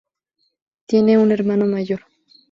Tiene un hermano mayor.